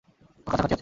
ও কাছাকাছিই আছে।